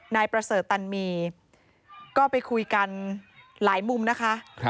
นายประเสริฐตันมีก็ไปคุยกันหลายมุมนะคะ